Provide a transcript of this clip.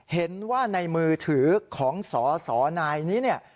เห็นว่าในมือถือของสสนายนี้เนี่ย